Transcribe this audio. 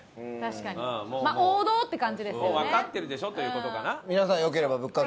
「もうわかってるでしょ」という事かな？